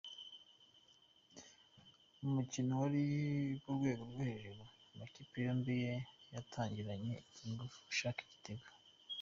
Mu mukino wari uri ku rwego rwo hejuru, amakipe yombi yatangiranye inguvu ashaka igitego.